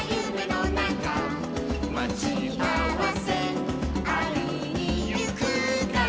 「まちあわせあいにゆくから」